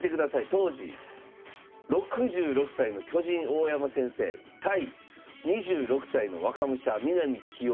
当時６６歳の巨人大山先生対２６歳の若武者南棋王戦いました。